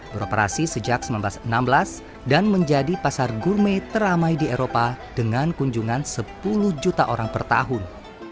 beroperasi sejak seribu sembilan ratus enam belas dan menjadi pasar gurme teramai di eropa dengan kunjungan sepuluh juta orang per tahun